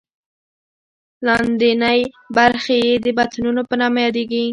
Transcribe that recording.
لاندینۍ برخې یې د بطنونو په نامه یادېږي.